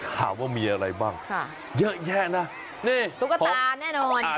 ถามว่ามีอะไรบ้างเยอะแยะนะ